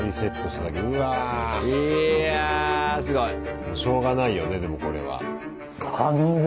すごい。しょうがないよねでもこれは。